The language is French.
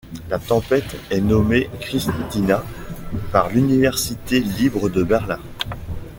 La tempête est nommée Christina par l'université libre de Berlin.